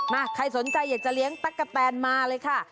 ใครสนใจอยากจะเลี้ยงตั๊กกะแตนมาเลยค่ะ